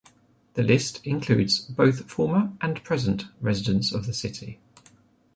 The list includes both former and present residents of the city.